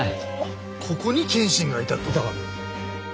ここに謙信がいたと。